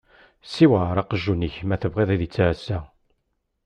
Ssiwɛeṛ aqjun-ik ma tebɣiḍ ad ittɛassa!